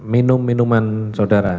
minum minuman saudara